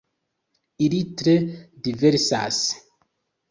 Ili tre diversas.